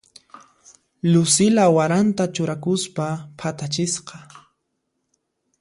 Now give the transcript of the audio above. Lucila waranta churakuspa phatachisqa.